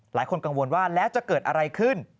หลายคนกังวลว่าแล้วจะเกิดอะไรขึ้น